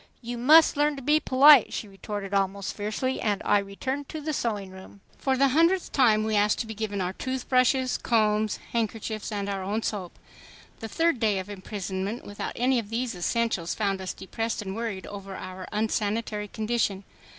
"You must learn to be polite," she retorted almost fiercely, and I returned to the sewing room. For the hundredth time we asked to be given our toothbrushes, combs, handkerchiefs and our own soap. The third day of imprisonment without any of these essentials found us depressed and worried over our unsanitary condition.